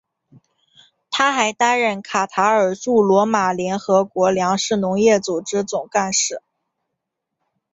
他还担任卡塔尔驻罗马联合国粮食农业组织总干事。